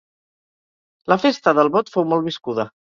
La festa del Vot fou molt viscuda.